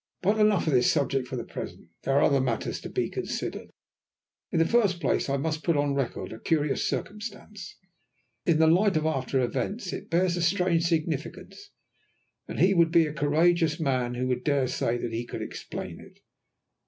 But enough of this subject for the present. There are other matters to be considered. In the first place I must put on record a curious circumstance. In the light of after events it bears a strange significance, and he would be a courageous man who would dare to say that he could explain it.